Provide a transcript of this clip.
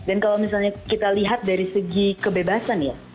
dan kalau misalnya kita lihat dari segi kebebasan ya